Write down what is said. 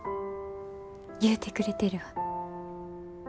言うてくれてるわ。